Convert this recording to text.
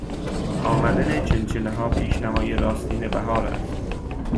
آمدن چلچلهها پیشنمای راستین بهار است.